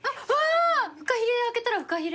フカヒレ開けたらフカヒレ。